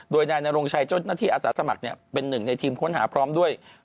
โดยนายนโรงชัยเจ้าหน้าที่อาสาสมัครเป็นหนึ่งในทีมค้นหาพร้อมด้วย